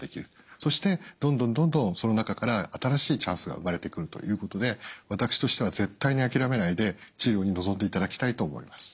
そしてどんどんどんどんその中から新しいチャンスが生まれてくるということで私としては絶対に諦めないで治療に臨んでいただきたいと思います。